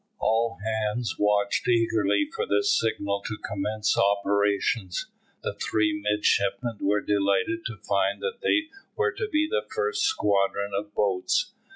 All hands watched eagerly for the signal to commence operations. The three midshipmen were delighted to find that they were to be in the first squadron of boats.